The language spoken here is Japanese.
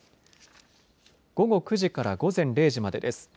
午後９時から午前０時までです。